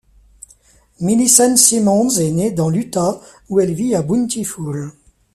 Millicent Simmonds est née dans l'Utah, où elle vit à Bountiful.